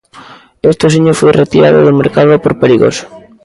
Este osiño foi retirado do mercado por perigoso.